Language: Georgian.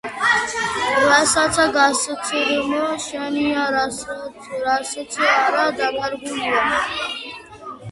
რასაცა გასცრმ შენია რასც არა დაკარგულია.